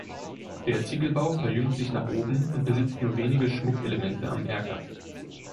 Der Ziegelbau verjüngt sich nach oben und besitzt nur wenige Schmuckelemente am Erker.